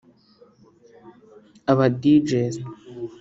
aba Djs